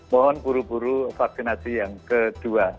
mohon buru buru vaksinasi yang kedua